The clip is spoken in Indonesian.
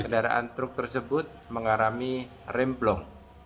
kendaraan truk tersebut mengalami remblong